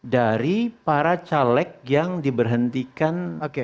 dari para caleg yang diberhentikan